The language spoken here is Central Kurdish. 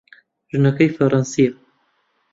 ژنەکەی فەڕەنسییە.